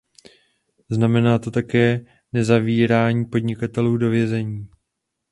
Znamená to také nezavírání podnikatelů do vězení.